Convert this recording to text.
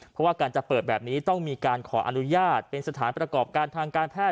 เพราะว่าการจะเปิดแบบนี้ต้องมีการขออนุญาตเป็นสถานประกอบการทางการแพทย